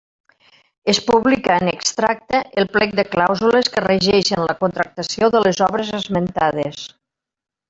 Es publica, en extracte, el plec de clàusules que regeixen la contractació de les obres esmentades.